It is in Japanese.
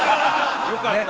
よかった。